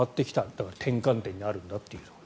だから転換点にあるんだと。